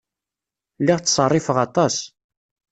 Lliɣ ttṣerrifeɣ aṭas.